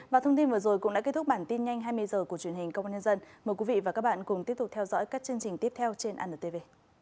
và thông tin vừa rồi cũng đã kết thúc bản tin nhanh hai mươi h của truyền hình công an nhân dân mời quý vị và các bạn cùng tiếp tục theo dõi các chương trình tiếp theo trên antv